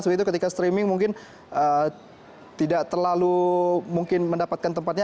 begitu ketika streaming mungkin tidak terlalu mungkin mendapatkan tempatnya